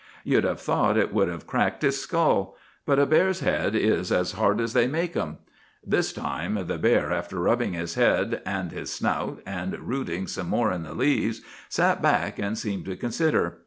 You'd have thought it would have cracked his skull; but a bear's head is as hard as they make them. "'This time the bear, after rubbing his head and his snout, and rooting some more in the leaves, sat back and seemed to consider.